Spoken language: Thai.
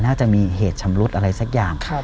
น่าจะมีเหตุชำรุดอะไรสักอย่าง